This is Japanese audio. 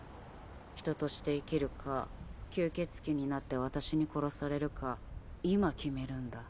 人として生きるか吸血鬼になって私に殺されるか今決めるんだ。